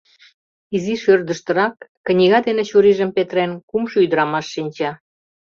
Изиш ӧрдыжтырак, книга дене чурийжым петырен, кумшо ӱдырамаш шинча.